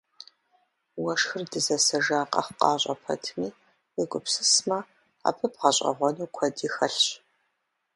Уэшхыр дызэсэжа къэхъукъащӏэ пэтми, уегупсысмэ, абы бгъэщӏэгъуэну куэди хэлъщ.